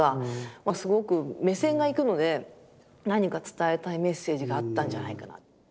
すごく目線が行くので何か伝えたいメッセージがあったんじゃないかな。